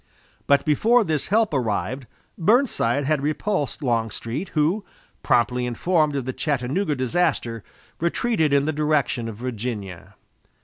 But before this help arrived, Burnside had repulsed Longstreet who, promptly informed of the Chattanooga disaster, retreated in the direction of Virginia.